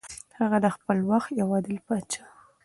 هغه د خپل وخت یو عادل پاچا و.